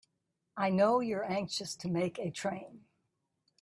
I know you're anxious to make a train.